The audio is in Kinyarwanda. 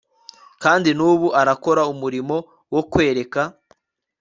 kandi nubu arakora umurimo wo kwereka